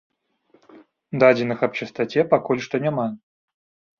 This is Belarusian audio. Дадзеных аб частаце пакуль што няма.